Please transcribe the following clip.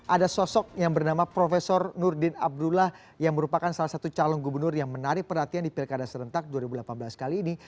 ada sosok yang bernama prof nurdin abdullah yang merupakan salah satu calon gubernur yang menarik perhatian di pilkada serentak dua ribu delapan belas kali ini